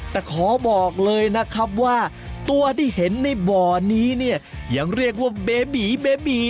แต่ขอบอกเลยว่าตัวที่เห็นในบ่อนี้ยังเรียกว่าเบบี่